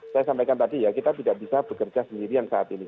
saya sampaikan tadi ya kita tidak bisa bekerja sendiri yang saat ini